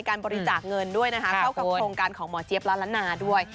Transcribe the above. บริจาคเงินด้วยนะคะเข้ากับโครงการของหมอเจี๊ยบละละนาด้วย